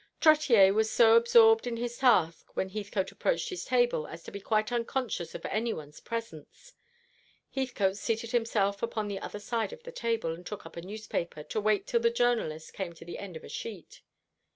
Trottier was so absorbed in his task when Heathcote approached his table as to be quite unconscious of any one's presence. Heathcote seated himself upon the other side of the table, and took up a newspaper, to wait till the journalist came to the end of a sheet.